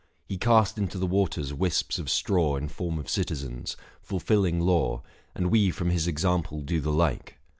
He cast into the waters wisps of straw In form of citizens, fulfilling law, And we from his example do the like.